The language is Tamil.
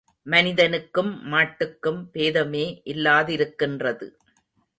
மனிதனுக்கும் மாட்டுக்கும் பேதமே இல்லாதிருக்கின்றது.